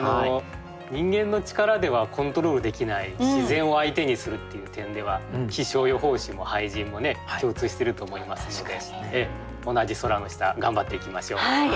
人間の力ではコントロールできない自然を相手にするっていう点では気象予報士も俳人も共通してると思いますので同じ空の下頑張っていきましょう。